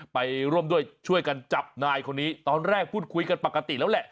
ไปร่วมด้วยช่วยกันจับนายคนนี้ตอนแรกพูดคุยกันปกติแล้วแหละ